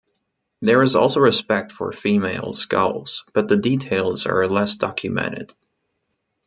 There is also respect for female skulls, but the details are less documented.